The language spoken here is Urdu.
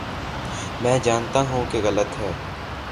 میں جانتا ہوں کہ غلط ہے۔